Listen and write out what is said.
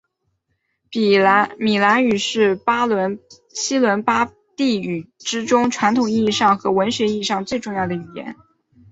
米兰语是西伦巴第语之中传统意义上和文学意义上最重要的语言。